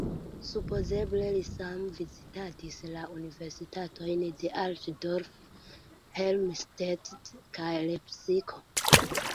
Supozeble li same vizitadis la Universitatojn de Altdorf, Helmstedt kaj Lepsiko.